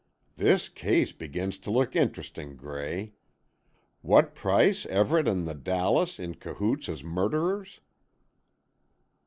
"This case begins to look interesting, Gray. What price Everett and the Dallas in cahoots as murderers?"